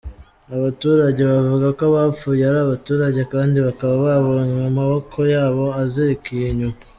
Abaturage bavuga ko abapfuye ari abaturage kandi bakaba babonywe amaboko yabo azirikiye inyuma.